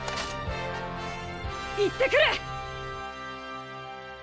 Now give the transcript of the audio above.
行ってくる！